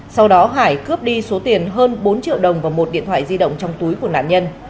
sau đó hải cướp đi số tiền hơn bốn triệu đồng và một điện thoại di động trong túi của nạn nhân